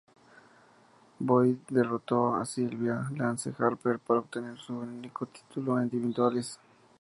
Boyd derrotó a Sylvia Lance Harper para obtener su único título en individuales.